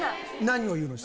何を言うの？